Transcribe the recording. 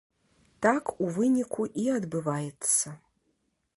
Так у выніку і адбываецца.